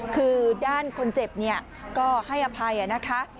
คือด้านคนเจ็บก็ให้อภัยนะคะ